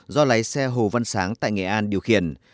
do lái xe hồ văn sáng tại nghệ an điều khiển